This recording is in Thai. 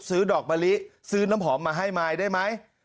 ซื้อดอกมะลิซื้อน้ำหอมมาให้มายได้ไหม